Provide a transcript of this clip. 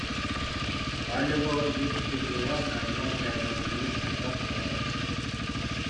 Халӗ вӑл ют ҫӗршыва канма каякансене саккас парать.